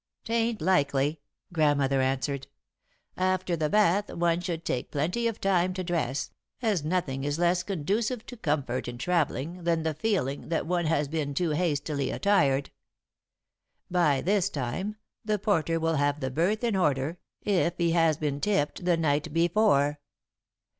"'Tain't likely," Grandmother answered. "'After the bath one should take plenty of time to dress, as nothing is less conducive to comfort in travelling than the feeling that one has been too hastily attired. By this time, the porter will have the berth in order, if he has been tipped the night before.'"